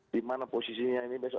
dimana posisinya ini besok